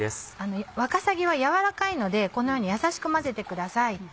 わかさぎは柔らかいのでこのように優しく混ぜてください。